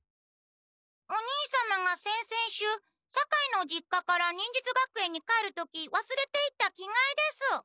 お兄様が先々週堺の実家から忍術学園に帰る時わすれていった着がえです。